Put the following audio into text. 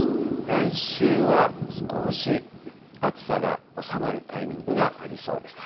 来週は少し暑さが収まるタイミングがありそうです。